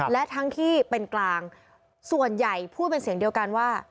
และทั้งที่เป็นกลางส่วนใหญ่พูดเป็นเสียงเดียวกันว่า